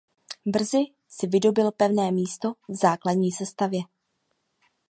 Brzy si vydobyl pevné místo v základní sestavě.